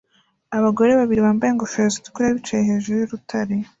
Abagabo babiri bambaye ingofero zitukura bicaye hejuru y'urutare